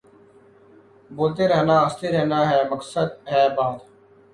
بولتے رہنا ہنستے رہنا بے مقصد بے بات